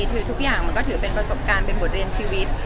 คือทุกอย่างมันก็ถือเป็นประสบการณ์เป็นบทเรียนชีวิต